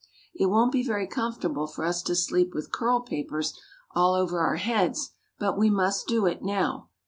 It won't be very comfortable for us to sleep with curl papers all over our heads, but we must do it now.